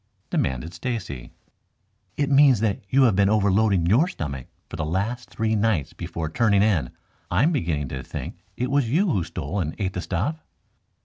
demanded Stacy. "It means that you have been overloading your stomach for the last three nights before turning in. I am beginning to think it was you who stole and ate the stuff."